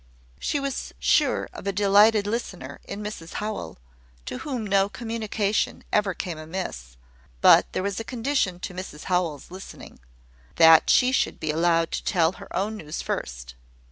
She was sure of a delighted listener in Mrs Howell, to whom no communication ever came amiss: but there was a condition to Mrs Howell's listening that she should be allowed to tell her own news first.